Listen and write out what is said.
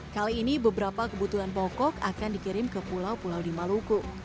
kali ini beberapa kebutuhan pokok akan dikirim ke pulau pulau di maluku